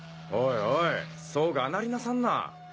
おいおいそうがなりなさんな。